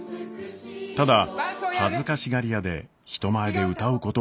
ただ恥ずかしがり屋で人前で歌うことができません。